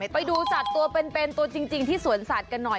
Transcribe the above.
ไปดูสัตว์ตัวเป็นตัวจริงที่สวนสัตว์กันหน่อย